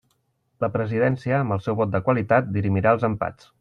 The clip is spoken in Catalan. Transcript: La presidència, amb el seu vot de qualitat, dirimirà els empats.